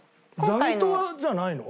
ザギトワじゃないの？